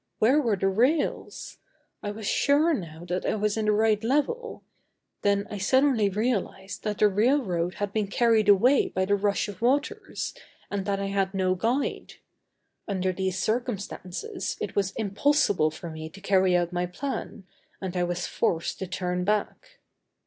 Where were the rails? I was sure now that I was in the right level, then I suddenly realized that the railroad had been carried away by the rush of waters, and that I had no guide. Under these circumstances it was impossible for me to carry out my plan, and I was forced to turn back.